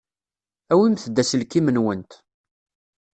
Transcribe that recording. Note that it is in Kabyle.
Awimt-d aselkim-nwent.